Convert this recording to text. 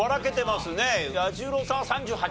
彌十郎さんは３８？